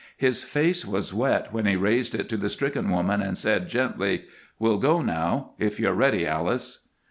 His face was wet when he raised it to the stricken woman and said, gently, "We'll go now, if you're ready, Alice."